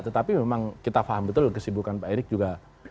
tetapi memang kita faham betul kesibukan pak erik juga